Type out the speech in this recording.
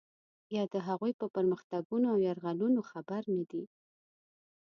یا د هغوی په پرمختګونو او یرغلونو خبر نه دی.